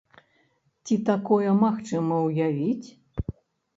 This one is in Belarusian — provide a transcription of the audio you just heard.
Ці такое магчыма ўявіць?